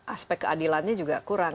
aspek keadilannya juga kurang